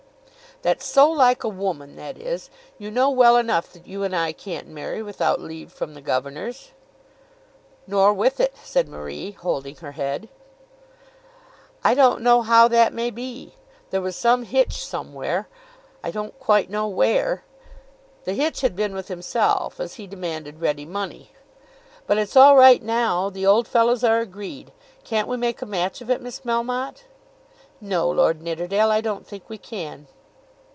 "That's so like a woman; that is. You know well enough that you and I can't marry without leave from the governors." "Nor with it," said Marie, nodding her head. "I don't know how that may be. There was some hitch somewhere, I don't quite know where." The hitch had been with himself, as he demanded ready money. "But it's all right now. The old fellows are agreed. Can't we make a match of it, Miss Melmotte?" "No, Lord Nidderdale; I don't think we can."